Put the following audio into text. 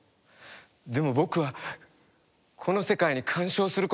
でも僕はこの世界に干渉することができないんだ。